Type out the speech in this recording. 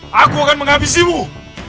hai aku akan menghabisimu